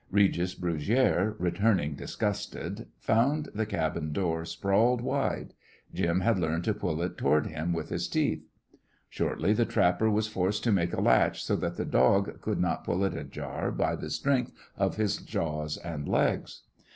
Regis Brugiere, returning disgusted, found the cabin door sprawled wide: Jim had learned to pull it toward him with his teeth. Shortly the trapper was forced to make a latch so that the dog could not pull it ajar by the strength of his jaws and legs.